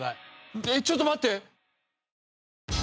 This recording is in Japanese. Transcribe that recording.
えっちょっと待って。